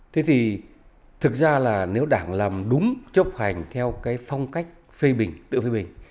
thế thì thực ra là nếu đảng làm đúng chấp hành theo cái phong cách phê bình tự phê bình